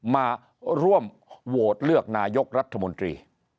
มาร่วมโหวตเลือกนายกรัฐมนตรี